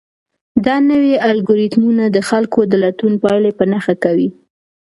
دا نوي الګوریتمونه د خلکو د لټون پایلې په نښه کوي.